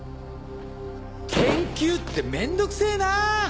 研究って面倒くせぇな！